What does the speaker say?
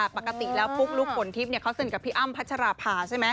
ปกติแล้วปุ๊กลุ๊กฝนทิพย์เขาสนิทกับพี่อ้ำพัชราภาใช่ไหม